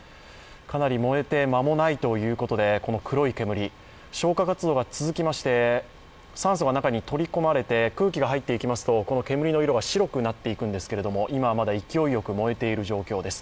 かなり燃えて間もないということでこの黒い煙、消火活動が続きまして、酸素が中に取り込まれて空気が入っていきますとこの煙の色が白くなっていくんですけれども今はまだ勢いよく燃えている状況です。